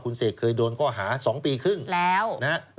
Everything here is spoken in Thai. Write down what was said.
คุณเสกเคยโดนข้อหา๒ปีครึ่งแล้ว